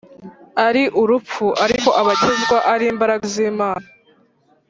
ari urupfu ariko abakizwa ari imbaraga z’Imana.